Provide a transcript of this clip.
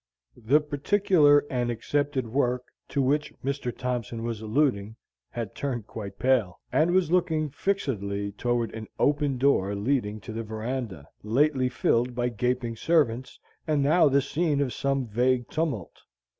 The particular and accepted work to which Mr. Thompson was alluding had turned quite pale, and was looking fixedly toward an open door leading to the veranda, lately filled by gaping servants, and now the scene of some vague tumult.